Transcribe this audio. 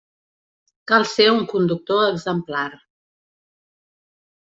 Cal ser un conductor exemplar.